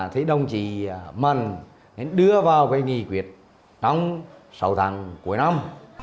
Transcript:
thấy đồng chí mần đưa vào cái nghị quyệt trong sáu tháng cuối năm